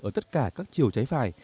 ở tất cả các chiều trái phải